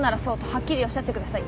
はっきりおっしゃってください。